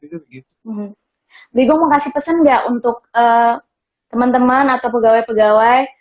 diego mau kasih pesan gak untuk teman teman atau pegawai pegawai